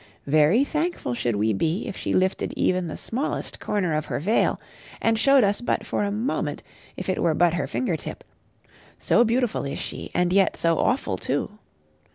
Very thankful should we be if she lifted even the smallest corner of her veil, and showed us but for a moment if it were but her finger tip so beautiful is she, and yet so awful too.